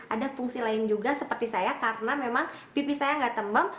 ada fungsi lain juga seperti saya karena memang pipi saya nggak temem